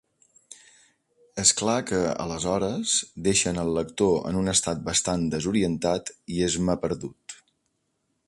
És clar que, aleshores, deixen el lector en un estat bastant desorientat i esmaperdut.